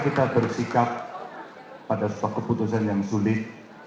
kita bersikap pada sebuah keputusan yang sulit